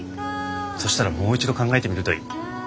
そしたらもう一度考えてみるといい。